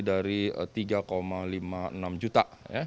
dari tiga lima puluh enam juta